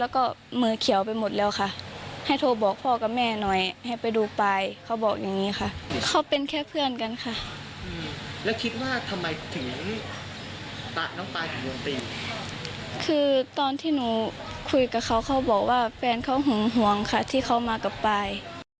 คุยกับเขาเขาบอกว่าแฟนเขาหงวงค่ะที่เขามากลับไป